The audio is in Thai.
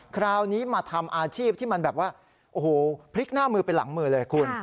คราวนี้มาทำอาชีพที่มันแบบว่าโอ้โหพลิกหน้ามือไปหลังมือเลยคุณ